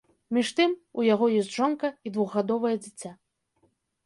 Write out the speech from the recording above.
Між тым, у яго ёсць жонка і двухгадовае дзіця.